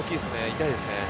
痛いですね。